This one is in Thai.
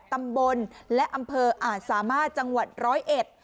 ตำบลและอำเภออาจสามารถจังหวัดร้อยเอ็ด